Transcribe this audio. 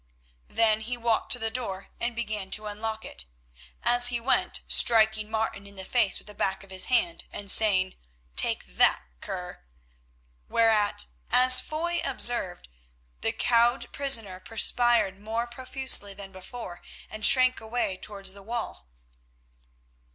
Then he walked to the door and began to unlock it, as he went striking Martin in the face with the back of his hand, and saying, "Take that, cur." Whereat, as Foy observed, the cowed prisoner perspired more profusely than before, and shrank away towards the wall.